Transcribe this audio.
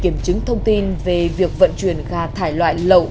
để kiểm chứng thông tin về việc vận chuyển gà thải loại lậu